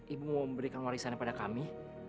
ibu mau memberikan warisannya pada kami